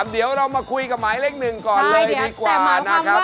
เดี๋ยวเรามาคุยกับหมายเลขหนึ่งก่อนเลยดีกว่านะครับ